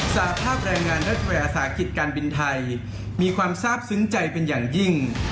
สาภาพแรงงานรัฐยาสาหกิจการบินไทยมีความทราบซึ้งใจเป็นอย่างยิ่ง